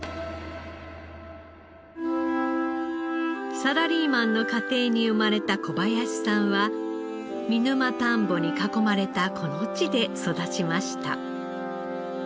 サラリーマンの家庭に生まれた小林さんは見沼たんぼに囲まれたこの地で育ちました。